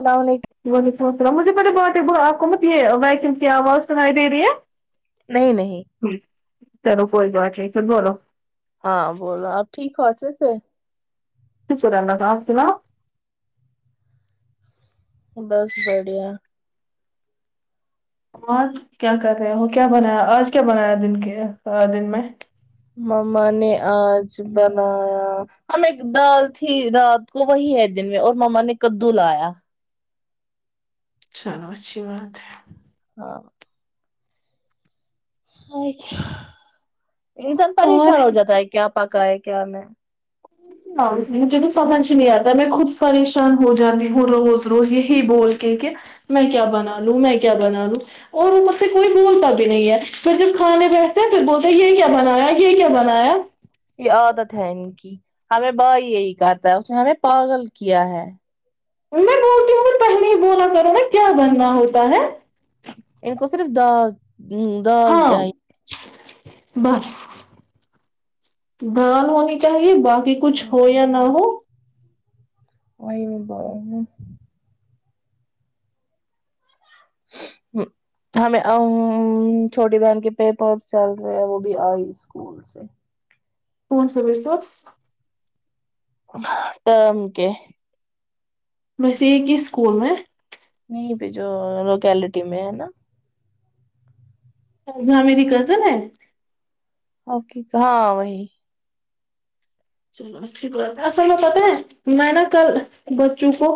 السلام علیکم وعلیکم اس سلم مجھے پہلے بہت ہی گمت یہ ویکسین کیا ہوااز نائبرییا نہیں نہیں تر کوئی گ چ تو بولو ہاں بو آپ ٹھچ سے رہ کا فنا بس بڑھیا آج کیا کر رہے ہو کیا بنایا آج کیا بنایا دن کے دن میں مما نے آج بنایا ہم ایک دال تھی رات کو وہی ہے دن میں اور مما نے کدو لایا چلو اچھی بات ہے ہاں آا انسان اور پریشان ہو جاتا ہے کیا پکا ہے کیا میں مجھے تو سمجھ نہیں آتا میں خود پریشان ہو جاتی ہوں روز روز یہی بول کے کہ میں کیا بنا لوں میں کیا بنا لوں اور وہ مجھ سے کوئی بولتا بھی نہیں ہے پھر جب کھانے بیٹھتے ہیں پھر بولتے یہ کیا بنایا یہ کیا بنایا یہ عادت ہے ان کی ہمیں بائی یہی کرتا ہے اس نے ہمیں پاگل کیا ہے ب بول کرو ن کیا بنا ہوو سیں ان کو صرف د ہوں دال ہاں چاہی بس ڈان ہونی چاہیے باقی کچھ ہو یا نہ ہو وم ب ہمیں چھوٹی بہن کے پیپر چل رہے ہیں وہ بھی آئی اسکول سے پانچاں بج سس ٹرم کے میںسے ایک کہ اسکول میں یہیں جو لوکیلٹی میں ہے نا ہاں میری کزن ہے اک ہاں وہی چلو اچھی بات اصل میں پتاہ ہے میں نا کل بچوں کو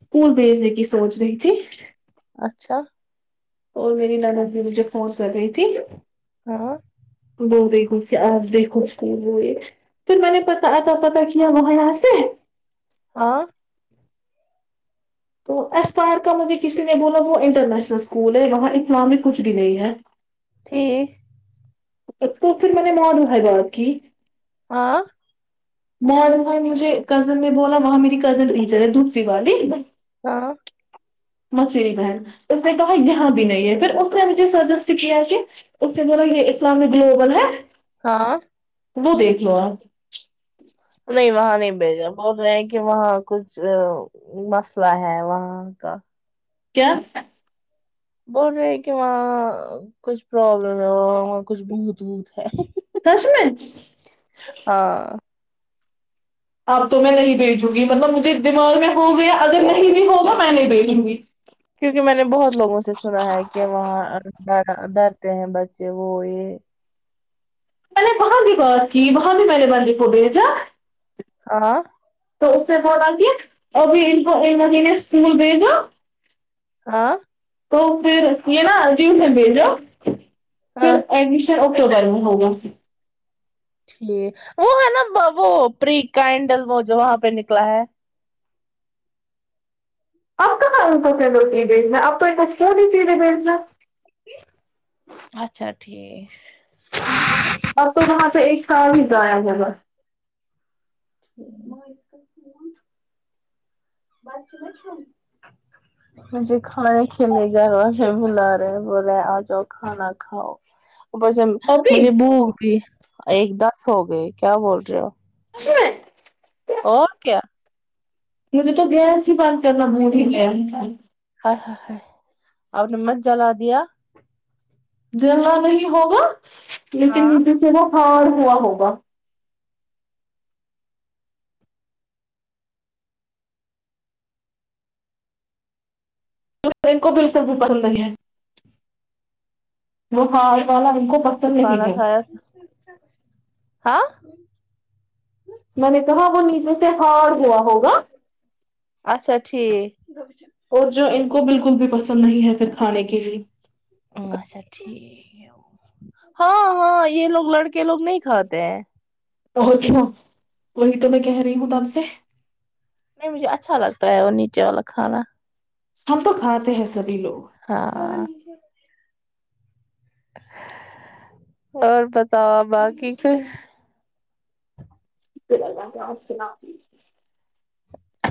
پکول بھیجنے کی سوچ رہی تھی اچھا اور میری نان بھی مجھے فنس کر گئی تھی ہاں ور گ سے آج بھی گس نہیں وہ یہ پھر میں نے پتاہ اتا ستاہ کیا ہو یہ سے ہاں تو ای پر کا مجھے کسی نے بولا وہ انٹرنیشنل اسکول ہے وہاں الامک کچھ بھی نہیں ہے ایک تو پھر میں نے معال ہےائے گا کی ہاں مائی مجھے کزن نے بولا وہاں میری کزنر دھپ سو ہاں مشر ہے اس نے کہا یہاں بھی نہیں ہے پھر اس نے مجھے سجیسٹ کیا ہے کہ اس نے بو یہ اسلامک گلوبل ہے ہاں وہ دیکھ لو آپ نہیں وہاں نہیں بھیجا بول رہے ہیں کہ وہاں کچھ مسئلہ ہے وہاں کا کیا بول رہے ہیں کہ وہاں کچھ پرابلم ہے وہ وہ کچھ بھت ووت ہے سش میں ہاں اب تو میں نہیں بھیجوں گی مطلب مجھے دماغ میں ہو گیا اگر نہیں بھی ہوگا میں نہیں بھیجوں گی کیونکہ میں نے بہت لوگوں سے سنا ہے کہ وہاں ڈر ڈرتے ہیں بچے وہ یہ میں نے وہاں بھی بات کی وہاں بھی میں نے بندیفو بھیجا آاں تو اس سے بعد آ کے ابھی ان کو ان مہینے اسکول بھیجو ہاں تو پھر یہ نا جیم سے بھیجو پھر ہاں ای اوک گرمی ہوگی ٹھ وہ ہے نا وہ پری کینڈل وہ جو وہاں پہ نکلا ہے آپ کہاں اپ لوٹی بھیجنا اب تو اتنا کیوں نہیں چیزیں بیجنا اچھا ٹھیک بب تو وہاں سے ایک سال ہی گایا ہے بس مجھے کھانا رھینے گھر و بلا رہے بولے آ جاؤ کھانا کھاؤ اوپر سے ابھی مجھے بو سچ بھی ایک دس ہو گئی کیا بول رہے ہو اھ اور کیا مجھے تو گیس ہی بد کرنا موڑی گیس ب اور نے مز جلا دیا جیننا نہیں ہوگا ج ت ہاں نجو تھ نا ہار ہوا ہوگا کو بالکل بھی پسند نہیں ہے وہال والا کو بتبیہ ہی کھانا نہیںائ کھایا ہاں میں نے کہا وہ نیچے سے ہار گیا ہوگا اچھا ٹھیک اور جو ان کو بالکل بھی پسند نہیں ہے پھر کھانے کے لی اچھا ٹھیک ہاں ہاں یہ لوگ لڑکے لوگ نہیں کھاتے ہیں اور کیوں وہی تو میں کہہ رہی ہوں آپ سے نہیں مجھے اچھا لگتا ہے وہ نیچے والا کھانا ہم تو کھاتے ہیں سبھی لوگ ہاں اور بتاو باقی کھر وا کہ اس کے نپ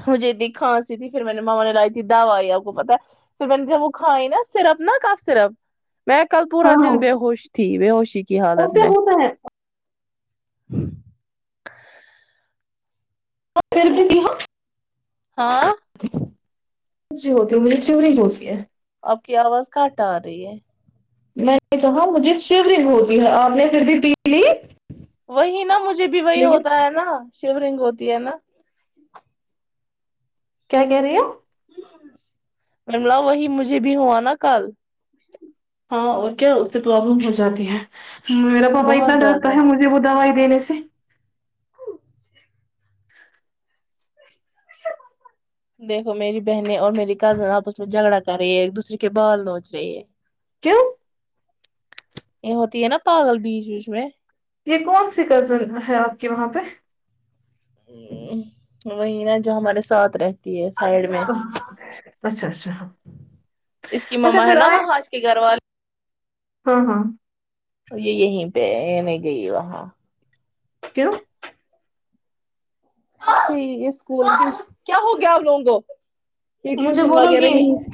مجھے تنی کھانسی تھی پھر میں نے ماما نے لائی تھی دوائی آپ کو پتا پھر میں نے جب وہ کھائی نا سرپ نا کاف سرپ میں کل پورا ہاں ہاں دن بےیہوش تھی بیہوشی کی ان حالت سے میں ہوتا ہے ہاں پیر بھی کی ہ ہاں ی ہوتی مجے چیوری ہوتی ہے آپ کی آواز کاٹ آ رہی ہے میں نے کہا مجھے شو دن ہوتی ہے آپ نے پھر بھی پیلی وہی نا مجھے بھی وہی ہوتا ہے نا شیورنگ ہوتی ہے نا کیا کہہ رہے ہو مملا وہی مجھے بھی ہوا نا کل ہاں اور کیا اتے پرابلم ہو جاتی ہے میر پاپا اتنا بہت ڈرتا زیادہ ہے مجے بھا دنے سے دیکھو میری بہنیں اور میری کزن آپ اس میں جھگڑا کر رہی ہیں ایک دوسرے کے بال نوچ رہی ہے کیوں یہ ہوتی ہے نا پاگل بیچ بیچ میں یہ کون سی کزن ہے آپ کے وہاں پہ ا وہی نا جو ہمارے ساتھ رہتی ہے سائڈ میں اچھا اچھا اس کی مما ہے پھر نا آئے وہاں اس کے گھر والے ہاں ہاں یہ یہیں پہ نہیں گئی وہاں کیوں؟ ی ہے اسکول کیا ہو گیا آپ لوگوں کو یہ مجھے ٹیوشن بولو وغیرہ گی یہیں سے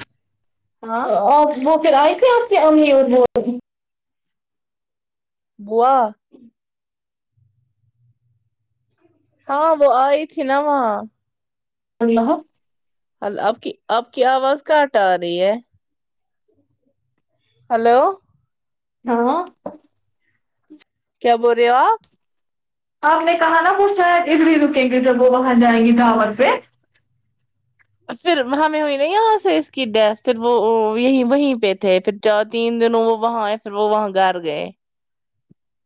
ہاں آ وہ پھر آئے تھے آپ ہممی بوا ہاں وہ آ تھی ن وہ ب رہ ہل آپ کی آپ کی آواز کاٹ آ رہی ہے ہلو ہاں کیا بول رہے ہو آپ آپ نے کہا نا وہ شاید اڈڑ رکیں گے جب وہ وہاں جائیں گی ڈھاور پہ پھر ہمیں ہوئی نا یہاں سے اس کی ڈیتھ پھر وہ یہیں وہیں پہ تھے پھر چ تین دنوں وہ وہاں آئے پھر وہ وہاں گھر گئے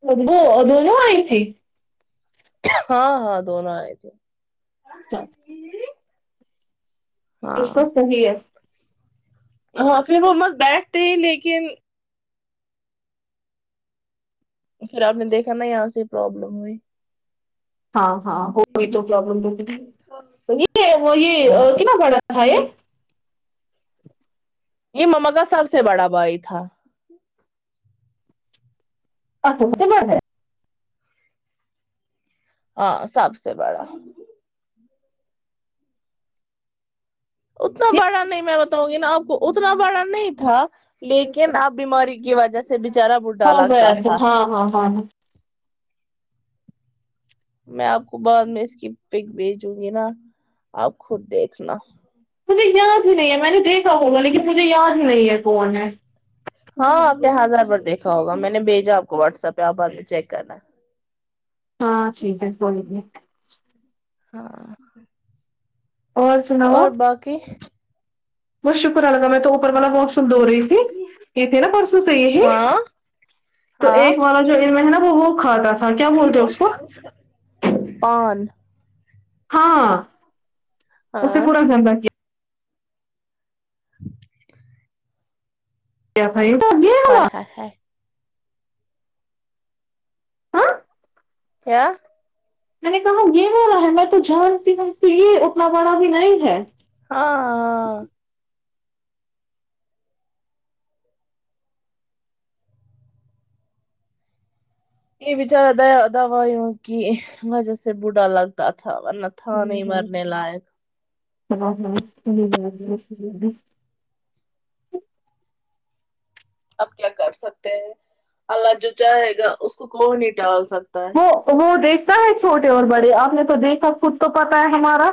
ابو دونوں آئی تھی ہاں ہاں دونوں آئے تھے چل ہاں اس وت صحیح ہے ہاں پھر وہ مت بیٹھتے ہی لیکن پھر آپ نے دیکھا نا یہاں سے پروابلم ہوئی ہاں ہاں ہو گئی تو پرابلم تو تو یہ ہاں یہنا باڑا [inaudible] یہ مما کا سب سے بڑا بھائی تھا آ تو تو ب ہے ہاں سب سے بڑا اتنا بڑا نہیں میں بتاؤں گی نا آپ کو اتنا بڑا نہیں تھا لیکن آپ بیماری کی وجہ سے بچارا بڈھا ہو گیا لگتا تو تھا ہاں ہاں ہاں ہاں میں آپ کو بعد میں اس کی پک بھیجوں گی نا آپ خود دیکھنا مجھے یاد ہی نہیں ہے میں نے دیکھا بلا لیکن مجھے یاد ہی نہیں ہے کون ہے ہاں آپ نے ہزار رپ دیکھا ہوگا میں نے بھیجا آپ کو واٹسپ پہ آپ بد چیک کرنا ہاں جی بس بولیے [inaudible] ہاں اور باقی بہت شکریہ گا میں تو اوپر والا پسن د رہی تھی یہ تھی نا پرسوں سے یہی ہاں تو ہاں ایک والا جو ان میں ہے نا وہ وہ کھا تھاا کیا بولتے ہو اس کو پان ہاں اسے ہاں پورا جا کیا [inaudible] کیاسائی [inaudible] ہاں [inaudible] میں نے کہا یہ والا ہے میں تو جانتی ہوں تو یہ اتنا بڑا بھی نہیں ہے ہاں ہاں یہ بچارا دوائیوں کی وجہ سے بوڑھا لگتا تھا تھان تھا نہیں مرنے لائق ہ ہ ب اب کیا کر سکتے ہیں اللہ جو چاہے گا اس کو کو نہیں ڈال سکتا ہے وہ وہ دس ہے چھوٹے اور بڑے آپ نے تو دیکھا خود تو پتا ہے ہمارا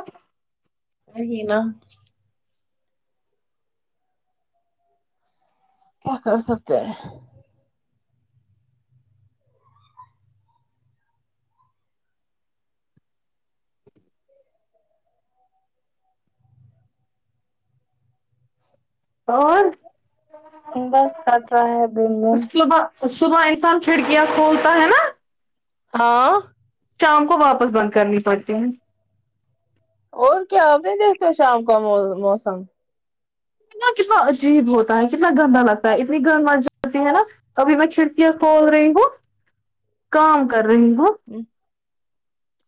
ہے ہی نا [unintelligible] کیا کر سکتے ہیں [unintelligible] اور بس کٹ رہا ہے دن دن تو صبح انسان چھڑکیا کھولتا ہے نا ہاں شام کو واپس بند کرنی پڑتی ہیں اور کیا آپ نہیں شام کا موسم ا کتنا عجیب ہوتا ہے کتنا گندا لگتا ہے اتنی گند م جی ہے نا ابھی میں چھڑکیاں کھول رہی ہوں کام کر رہی ہوں ہی [unintelligible]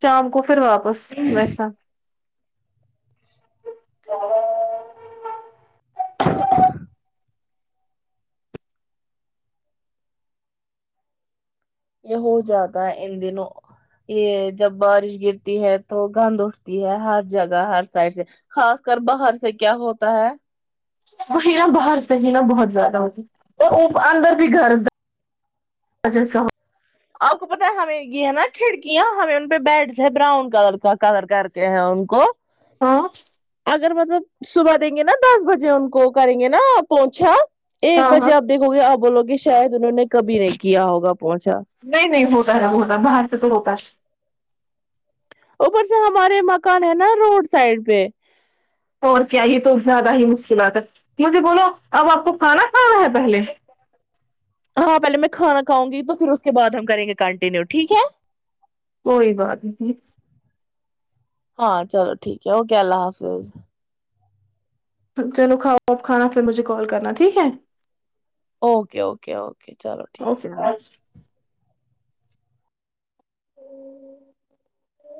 شام کو پ واپس ویس تو [unintelligible] [inaudible] یہ ہو جاتا ہے ان دنوں یہ جب بارش گرتی ہے تو گند اٹھتی ہے ہر جگہ ہر سائڈ سے خاص کر باہر سے کیا ہوتا ہے مشین باہر سے ہی نا بہت زیادہ ہوتی اورو اندر بھی گھر جیسا ہو آپ کو پتا ہے ہمیں یہ ہے نا کھڑکیاں ہمیں ان پہ بیڈس ہے براؤن کلر کا کلر کرتے ہیں ان کو ہاں اگر مطلب صبح دیں گے نا دس بجے ان کو کریں گے نا پہنچھا ایک ہاں ہاں بجے آپ دیکھو گے آپ بولو گے شاید انہوں نے کبھی نہیں کیا ہوگا پہنچا نہیں نہیں ہوتا ہے وہتا باہر سے تو ہوتا ہے اوپر سے ہمارے مکان ہے نا روڈ سائڈ پہ اور کیا یہ تو زیادہ ہی مشکلات ہے مھے بولو اب آپ کو کھانا کھانا ہے پہلے ہاں پہلے میں کھانا کاؤں گی تو پھر اس کے بعد ہم کریں گے کنٹینیو ٹھیک ہے کوئی بات نہیں نہیں ہاں چلو ٹھیک ہے اوکے اللہ حافظ چلو کھاؤ آپ کھانا پھر مجھے کال کرنا ٹھیک ہے اوکے اوکے اوکے چلو ٹھیک ہے اوکے